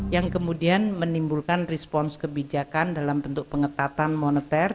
yang kemudian menimbulkan respons kebijakan dalam bentuk pengetatan moneter